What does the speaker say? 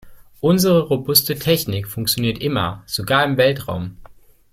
Unsere robuste Technik funktioniert immer, sogar im Weltraum.